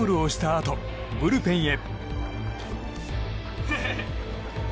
あとブルペンへ。